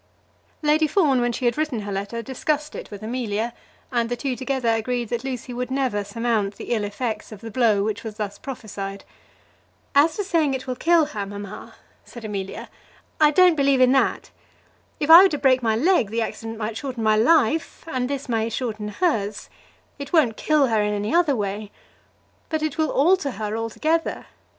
Lady Fawn, when she had written her letter, discussed it with Amelia, and the two together agreed that Lucy would never surmount the ill effects of the blow which was thus prophesied. "As to saying it will kill her, mamma," said Amelia, "I don't believe in that. If I were to break my leg, the accident might shorten my life, and this may shorten hers. It won't kill her in any other way. But it will alter her altogether.